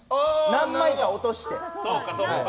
何枚か落として。